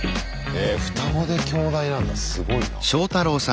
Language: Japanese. へぇ双子で京大なんだすごいな。